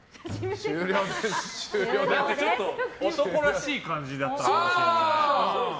ちょっと男らしい感じだったかもしれない。